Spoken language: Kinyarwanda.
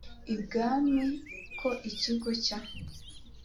ibwami ko ikigo cya